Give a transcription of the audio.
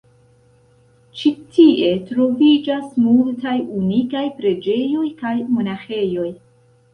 Ĉi tie troviĝas multaj unikaj preĝejoj kaj monaĥejoj.